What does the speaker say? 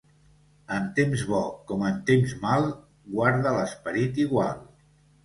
En temps bo com en temps mal, guarda l'esperit igual.